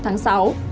từ ngày một sáu